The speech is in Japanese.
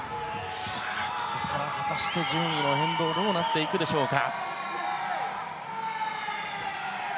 ここから果たして順位の変動はどうなっていくでしょうか。